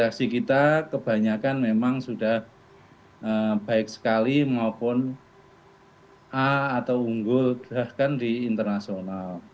generasi kita kebanyakan memang sudah baik sekali maupun a atau unggul gerakan di internasional